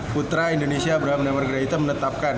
putra indonesia abraham ndamargerahita menetapkan